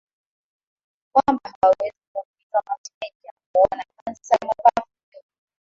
kwamba hawawezi kuumizwa Matineja huona kansa ya mapafu ulevi